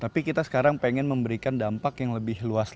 tapi kita sekarang pengen memberikan dampak yang lebih luas lagi